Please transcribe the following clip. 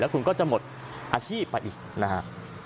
แล้วคุณก็จะหมดอาชีพไปอีกนะฮะ